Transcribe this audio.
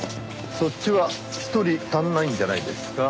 そっちは一人足んないんじゃないですか？